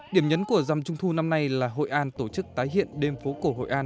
điểm nhấn của dăm trung thu năm nay là hội an tổ chức tái hiện đêm phố cổ hội an